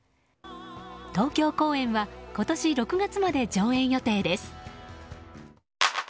東京公演は今年６月まで上演予定です。